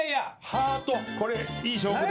ハート、これいい証拠です。